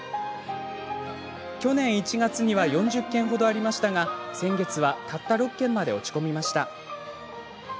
去年１月には４０件ほどありましたが先月はたった６件まで落ち込みました。